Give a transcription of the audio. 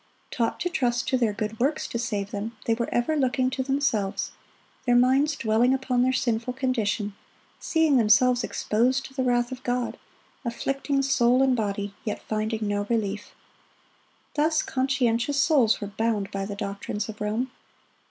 Taught to trust to their good works to save them, they were ever looking to themselves, their minds dwelling upon their sinful condition, seeing themselves exposed to the wrath of God, afflicting soul and body, yet finding no relief. Thus conscientious souls were bound by the doctrines of Rome.